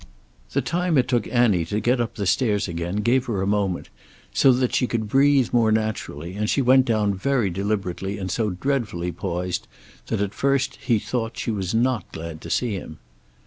The time it took Annie to get up the stairs again gave her a moment so that she could breathe more naturally, and she went down very deliberately and so dreadfully poised that at first he thought she was not glad to see him.